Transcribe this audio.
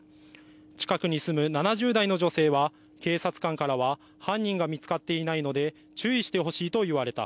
近くに住む７０代の女性は警察官からは犯人が見つかっていないので注意してほしいと言われた。